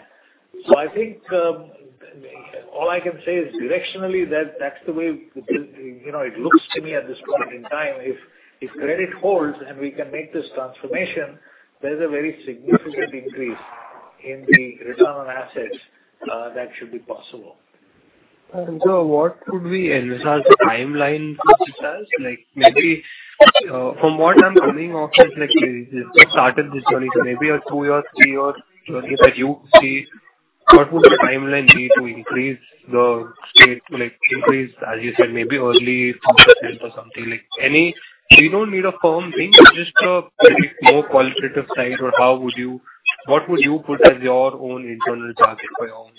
So I think, all I can say is directionally, that's the way, you know, it looks to me at this point in time. If credit holds and we can make this transformation, there's a very significant increase in the return on assets that should be possible. So what would be a result timeline for such as? Like maybe, from what I'm hearing of, like, you just started this journey, so maybe a two or three or journey that you see, what would the timeline be to increase the state, like, increase, as you said, maybe early 4% or something like any. We don't need a firm thing, just a very more qualitative side, or how would you—what would you put as your own internal target for your own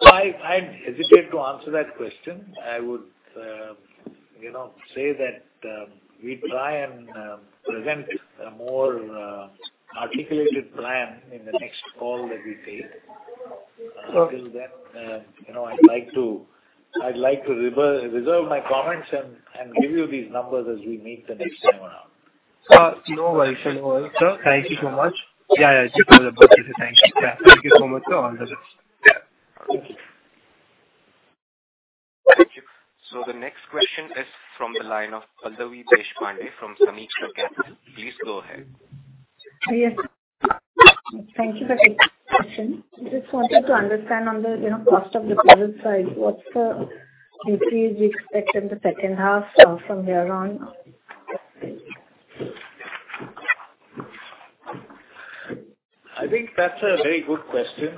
self? So I, I hesitate to answer that question. I would, you know, say that, we try and present a more, articulated plan in the next call that we take. Okay. Until then, you know, I'd like to reserve my comments and give you these numbers as we meet the next time around. No worries. So thank you so much. Yeah, yeah. Thank you so much, sir. All the best. Yeah. Thank you. So the next question is from the line of Pallavi Deshpande from Sameeksha Capital. Please go ahead. Yes. Thank you for the question. I just wanted to understand on the, you know, cost of deposit side, what's the increase we expect in the second half, from here on? I think that's a very good question.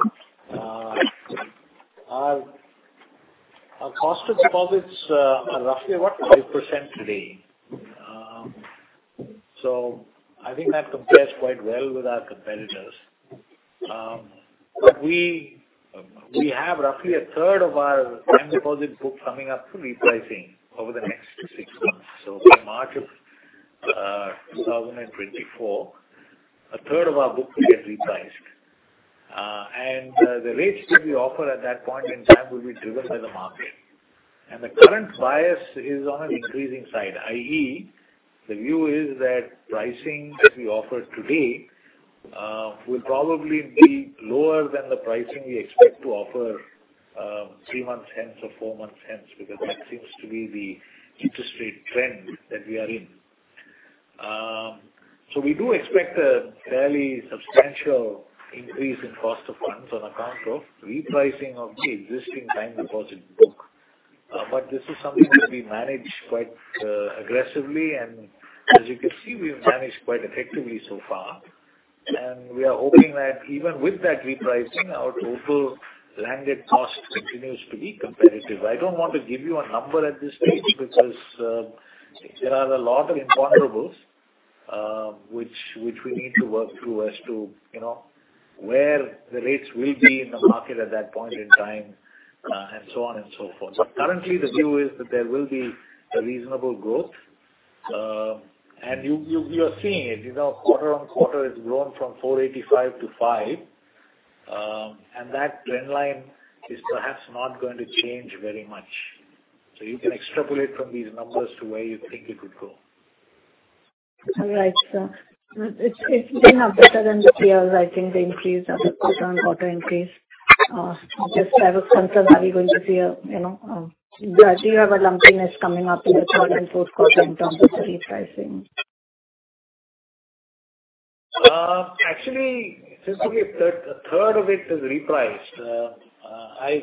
Our, our cost of deposits are roughly about 5% today. So I think that compares quite well with our competitors. But we, we have roughly a third of our time deposit book coming up to repricing over the next six months. So by March of 2024, a third of our book will get repriced. And the rates that we offer at that point in time will be driven by the market. And the current bias is on an increasing side, i.e., the view is that pricing that we offer today will probably be lower than the pricing we expect to offer three months hence or four months hence, because that seems to be the interest rate trend that we are in. So we do expect a fairly substantial increase in cost of funds on account of repricing of the existing time deposit book. But this is something that we manage quite aggressively, and as you can see, we've managed quite effectively so far. We are hoping that even with that repricing, our total landed cost continues to be competitive. I don't want to give you a number at this stage because there are a lot of imponderables, which we need to work through as to, you know, where the rates will be in the market at that point in time, and so on and so forth. But currently, the view is that there will be a reasonable growth, and you are seeing it, you know, quarter-on-quarter, it's grown from 485 to 5, and that trend line is perhaps not going to change very much. So you can extrapolate from these numbers to where you think it would go. All right, sir. It's been a better than the years, I think the increase, the quarter-on-quarter increase. Just have a concern, are we going to see a, you know, do you have a lumpiness coming up in the third and Q4 in terms of the repricing? Actually, since only a third of it is repriced, I've...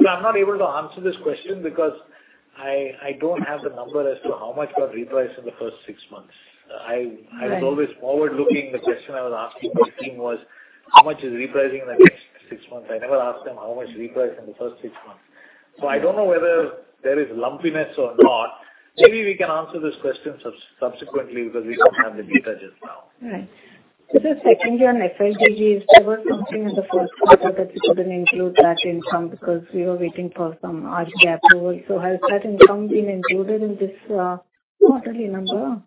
So I'm not able to answer this question because I don't have the number as to how much got repriced in the first six months. I was always forward-looking. The question I was asking the team was, "How much is repricing in the next six months?" I never asked them, "How much repriced in the first six months?" So I don't know whether there is lumpiness or not. Maybe we can answer this question subsequently, because we don't have the data just now. Right. This is secondly on FLDG. There was something in the Q1 that we couldn't include that income because we were waiting for some RGAP approval. So has that income been included in this, quarterly number?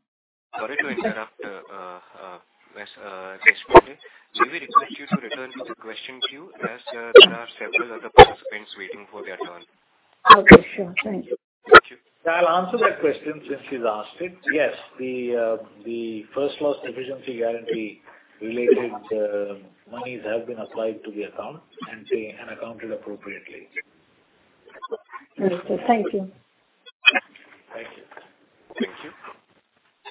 Sorry to interrupt, Deshpande. We request you to return to the question queue, as there are several other participants waiting for their turn. Okay, sure. Thank you. Thank you. I'll answer that question since she's asked it. Yes, the first loss default guarantee related monies have been applied to the account and they have accounted appropriately. Understood. Thank you. Thank you. Thank you.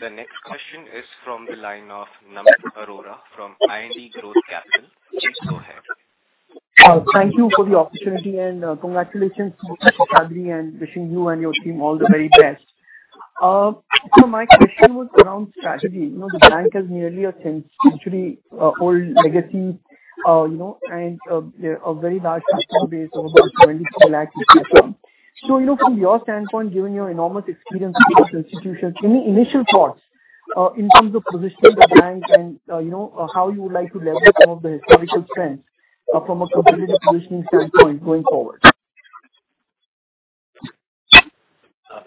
The next question is from the line of Namit Arora from Indgrowth Capital. Please go ahead. Thank you for the opportunity and, congratulations to you, Seshadri, and wishing you and your team all the very best. So my question was around strategy. You know, the bank has nearly a century old legacy, you know, and a very large customer base of about 22 lakh. So, you know, from your standpoint, given your enormous experience with these institutions, any initial thoughts in terms of positioning the bank and, you know, how you would like to leverage some of the historical strengths from a competitive positioning standpoint going forward?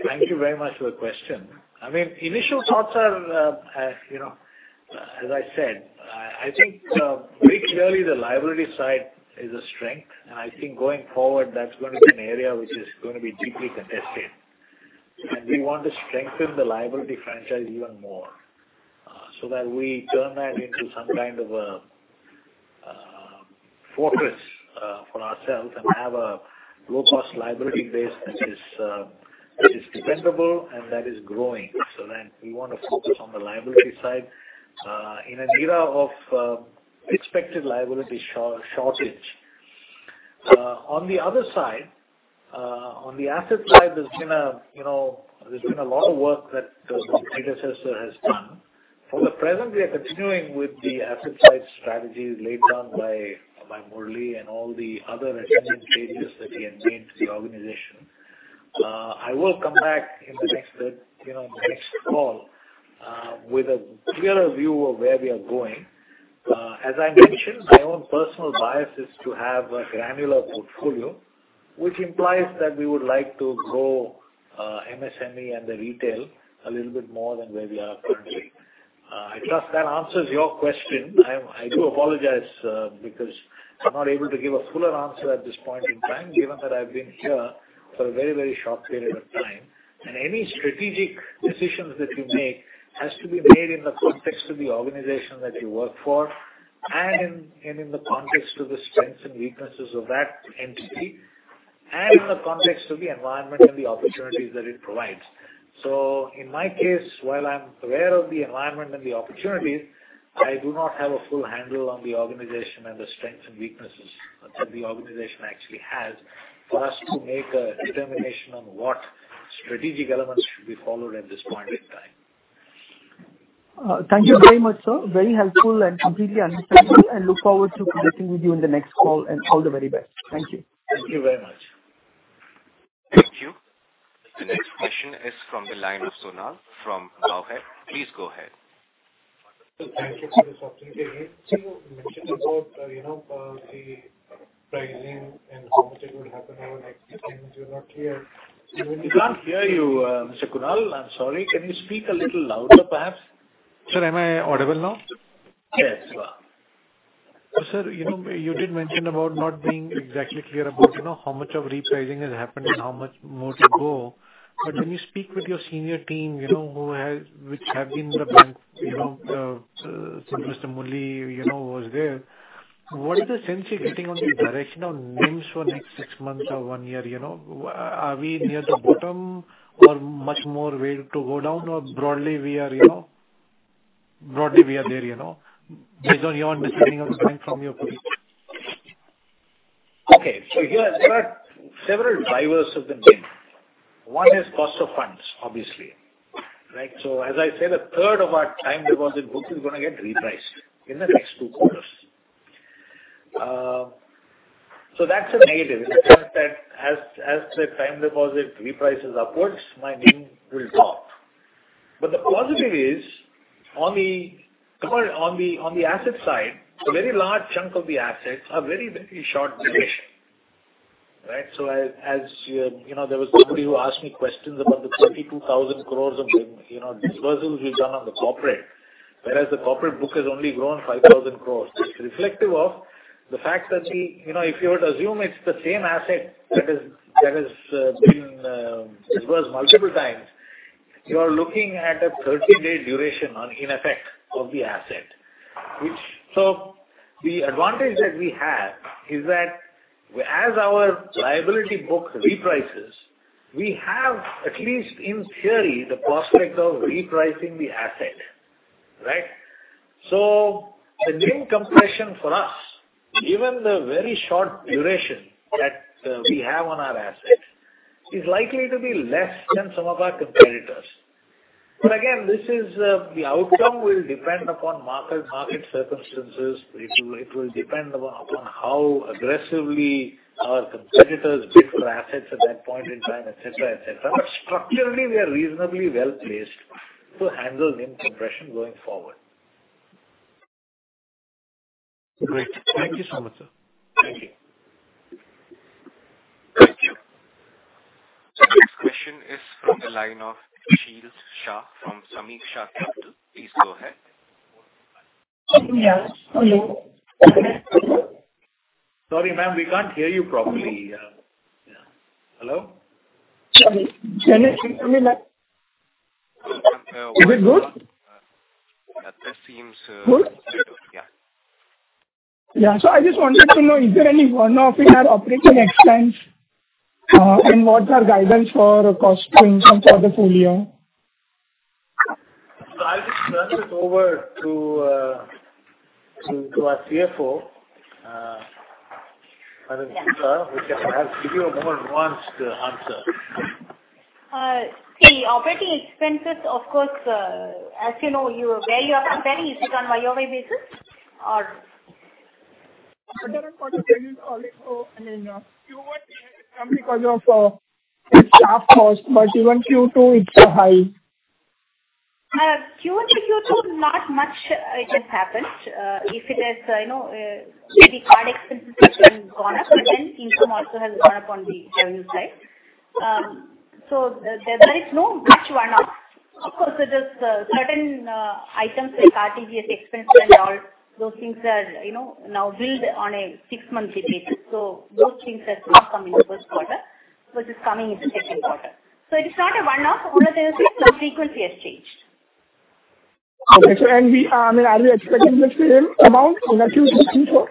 Thank you very much for the question. I mean, initial thoughts are, you know, as I said, I think very clearly the liability side is a strength, and I think going forward, that's going to be an area which is going to be deeply contested. And we want to strengthen the liability franchise even more, so that we turn that into some kind of a fortress for ourselves and have a low-cost liability base that is dependable and that is growing. So then we want to focus on the liability side in an era of expected liability shortage. On the other side, on the asset side, you know, there's been a lot of work that my predecessor has done. For the present, we are continuing with the asset side strategy laid down by Murali and all the other resident leaders that he had made to the organization. I will come back in the next, you know, in the next call, with a clearer view of where we are going. As I mentioned, my own personal bias is to have a granular portfolio, which implies that we would like to grow MSME and the retail a little bit more than where we are currently. I trust that answers your question. I'm... I do apologize, because I'm not able to give a fuller answer at this point in time, given that I've been here for a very, very short period of time. Any strategic decisions that you make has to be made in the context of the organization that you work for and in, and in the context of the strengths and weaknesses of that entity, and in the context of the environment and the opportunities that it provides. In my case, while I'm aware of the environment and the opportunities, I do not have a full handle on the organization and the strengths and weaknesses that the organization actually has for us to make a determination on what strategic elements should be followed at this point in time. Thank you very much, sir. Very helpful and completely understandable, and look forward to connecting with you in the next call, and all the very best. Thank you. Thank you very much. Thank you. The next question is from the line of Kunal from Bowhead. Please go ahead. Thank you for this opportunity. You mentioned about, you know, the pricing and how much it would happen over the next few months. You're not clear. We can't hear you, Mr. Kunal. I'm sorry. Can you speak a little louder, perhaps? Sir, am I audible now? Yes. Sir, you know, you did mention about not being exactly clear about, you know, how much of repricing has happened and how much more to go. But when you speak with your senior team, you know, who has- which have been the bank, you know, Mr. Murali, you know, was there, what is the sense you're getting on the direction of NIMs for next six months or one year, you know? Are we near the bottom or much more way to go down, or broadly, we are, you know, broadly we are there, you know, based on your understanding of the bank from your point? Okay. So here there are several drivers of the NIM. One is cost of funds, obviously, right? So as I say, the third of our time deposit book is gonna get repriced in the next two quarters. So that's a negative in the sense that as the time deposit reprices upwards, my NIM will drop. But the positive is on the asset side, a very large chunk of the assets are very, very short duration, right? So as you... You know, there was somebody who asked me questions about the 32,000 crore of, you know, disbursal we've done on the corporate, whereas the corporate book has only grown 5,000 crore. It's reflective of the fact that we, you know, if you were to assume it's the same asset that has, that has, been, dispersed multiple times, you are looking at a 30-day duration on, in effect, the asset. Which so the advantage that we have is that as our liability book reprices, we have, at least in theory, the prospect of repricing the asset, right? So the NIM compression for us, given the very short duration that, we have on our assets, is likely to be less than some of our competitors... But again, this is, the outcome will depend upon market, market circumstances. It will, it will depend upon how aggressively our competitors bid for assets at that point in time, et cetera, et cetera. But structurally, we are reasonably well-placed to handle NIM compression going forward. Great. Thank you so much, sir. Thank you. Thank you. So the next question is from the line of Sheel Shah from Sameeksha Capital. Please go ahead. Yeah. Hello. Sorry, ma'am, we can't hear you properly. Yeah. Hello? Sorry. Can you hear...? Is it good? That seems... Good? Yeah. Yeah. So I just wanted to know, is there any one-off in our operating expense, and what's our guidance for cost inflation for the full year? I'll just turn it over to our CFO, Chitra, who can give you a more nuanced answer. See, operating expenses, of course, as you know, your value of company is done by yearly basis or- Quarter-on-quarter basis. So, I mean, Q1 come because of staff cost, but even Q2 it's high. Q1 to Q2, not much, it has happened. If it has, you know, the card expenses which have gone up, but then income also has gone up on the revenue side. So there is no big one-off. Of course, it is certain items like RTGS expense and all those things are, you know, now billed on a six-monthly basis. So those things have not come in the Q1, which is coming in the Q2. So it is not a one-off. Only the frequency has changed. Okay. So, I mean, are we expecting the same amount in the Q3, four?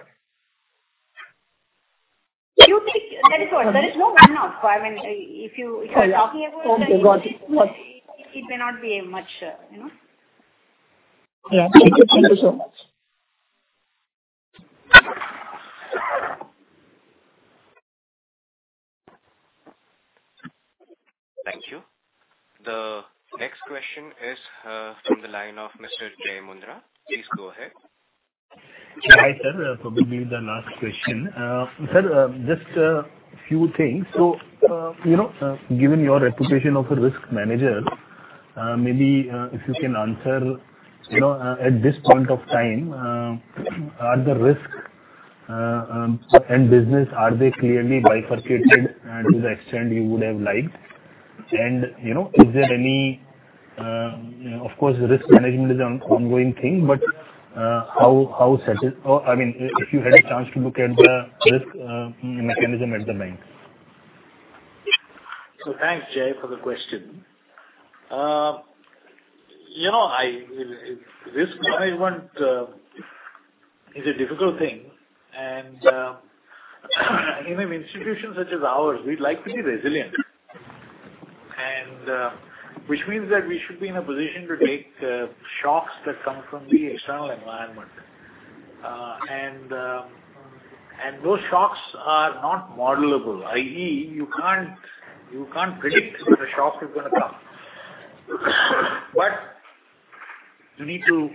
Q3, that is what. There is no one-off. I mean, if you, if you're talking about it- Okay, got it. Got it. It may not be much, you know? Yeah. Thank you. Thank you so much. Thank you. The next question is, from the line of Mr. Jai Mundhra. Please go ahead. Hi, sir. Probably the last question. Sir, just a few things. So, you know, given your reputation of a risk manager, maybe, if you can answer, you know, at this point of time, are the risks and business, are they clearly bifurcated to the extent you would have liked? And, you know, is there any... You know, of course, risk management is an ongoing thing, but, how, how satis- or, I mean, if you had a chance to look at the risk mechanism at the bank. So thanks, Jai, for the question. You know, risk management is a difficult thing. And in an institution such as ours, we'd like to be resilient. And which means that we should be in a position to take shocks that come from the external environment. And those shocks are not modelable, i.e., you can't predict when the shock is gonna come. But you need to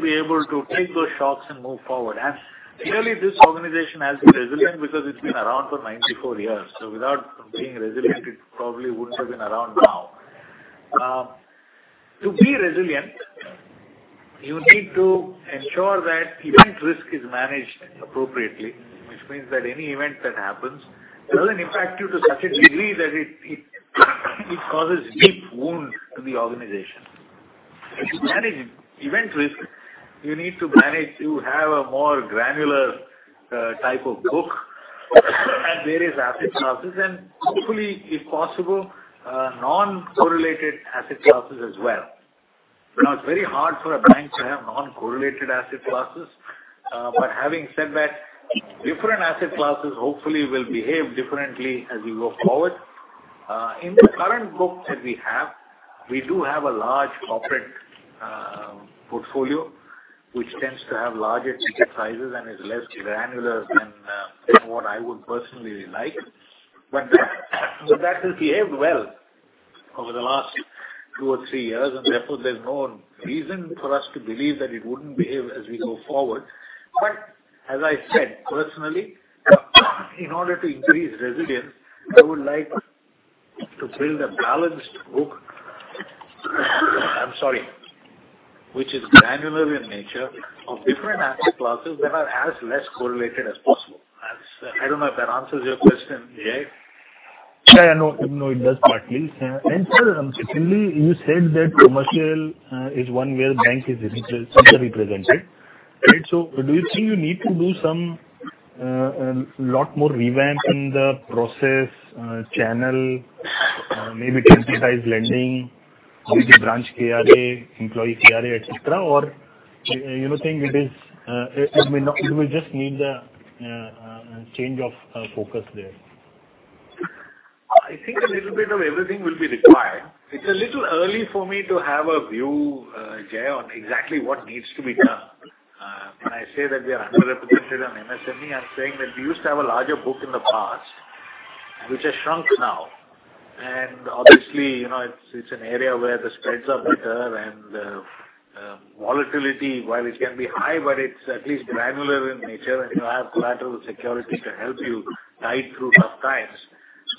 be able to take those shocks and move forward. And clearly, this organization has been resilient because it's been around for 94 years. So without being resilient, it probably wouldn't have been around now. To be resilient, you need to ensure that event risk is managed appropriately, which means that any event that happens doesn't impact you to such a degree that it causes deep wounds to the organization. To manage event risk, you need a more granular type of book and various asset classes, and hopefully, if possible, non-correlated asset classes as well. Now, it's very hard for a bank to have non-correlated asset classes. But having said that, different asset classes hopefully will behave differently as we go forward. In the current book that we have, we do have a large corporate portfolio, which tends to have larger ticket sizes and is less granular than what I would personally like. But that, but that has behaved well over the last two or three years, and therefore, there's no reason for us to believe that it wouldn't behave as we go forward. But as I said, personally, in order to increase resilience, I would like to build a balanced book, I'm sorry, which is granular in nature of different asset classes that are as less correlated as possible. As I don't know if that answers your question, Jai. Yeah, no, no, it does, partly. Yeah. And sir, secondly, you said that commercial is one where bank is underrepresented. Right. So do you think you need to do some lot more revamp in the process, channel, maybe to incentivize lending with the branch KRA, employee KRA, et cetera? Or you know, think it is, it may not, it will just need a change of focus there. I think a little bit of everything will be required. It's a little early for me to have a view, Jai, on exactly what needs to be done. When I say that we are underrepresented on MSME, I'm saying that we used to have a larger book in the past, which has shrunk now. And obviously, you know, it's, it's an area where the spreads are better and, volatility, while it can be high, but it's at least granular in nature, and you have collateral security to help you tide through tough times.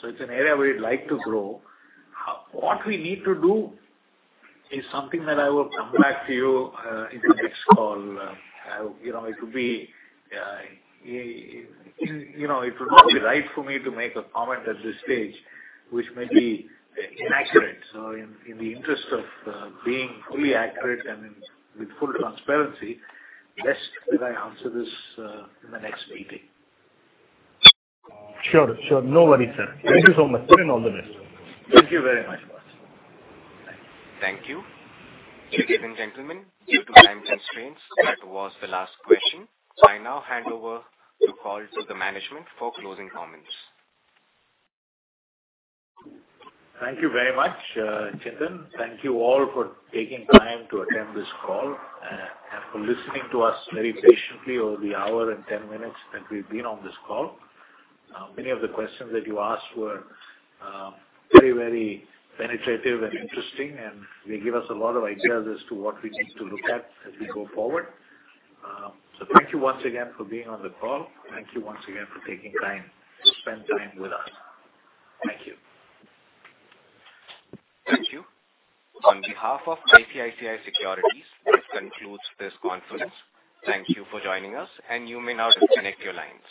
So it's an area we'd like to grow. What we need to do is something that I will come back to you, in the next call. You know, it would be, you know, it would not be right for me to make a comment at this stage, which may be inaccurate. So in the interest of being fully accurate and with full transparency, best that I answer this in the next meeting. Sure, sure. No worries, sir. Thank you so much, and all the best. Thank you very much. Thank you. Ladies and gentlemen, due to time constraints, that was the last question. I now hand over the call to the management for closing comments. Thank you very much, Chintan. Thank you all for taking time to attend this call, and for listening to us very patiently over the hour and 10 minutes that we've been on this call. Many of the questions that you asked were very, very penetrative and interesting, and they give us a lot of ideas as to what we need to look at as we go forward. Thank you once again for being on the call. Thank you once again for taking time to spend time with us. Thank you. Thank you. On behalf of ICICI Securities, this concludes this conference. Thank you for joining us, and you may now disconnect your lines.